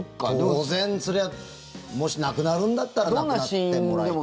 当然、それはもしなくなるんだったらなくなってもらいたい。